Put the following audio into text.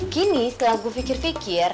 kini setelah gue pikir pikir